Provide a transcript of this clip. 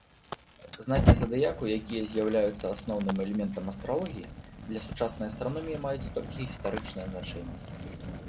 Знакі задыяку, якія з'яўляюцца асноўным элементам астралогіі, для сучаснай астраноміі маюць толькі гістарычнае значэнне.